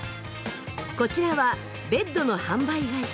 こちらはベッドの販売会社。